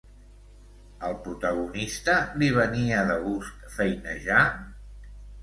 Al protagonista li venia de gust feinejar?